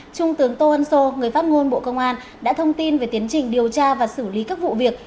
trung tướng tô ân sô người phát ngôn bộ công an đã thông tin về tiến trình điều tra và xử lý các vụ việc